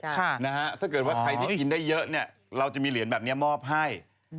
ถ้าเกิดว่าใครที่กินได้เยอะเนี่ยเราจะมีเหรียญแบบนี้มอบให้